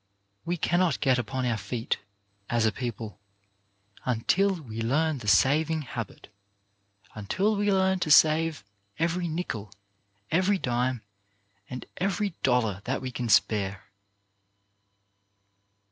We cannot get upon our feet, as a people, until we learn the saving habit ; until we learn to save every nickel, every dime and every dollar that we can spare.